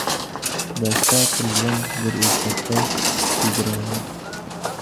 دا ستا پر ژوند در اضافه كي ګراني!